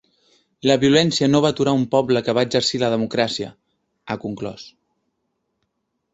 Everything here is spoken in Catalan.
“La violència no va aturar un poble que va exercir la democràcia”, ha conclòs.